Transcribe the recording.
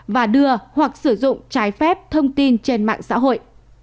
và đưa hoặc sử dụng trái phép thông tin trên mạng xã hội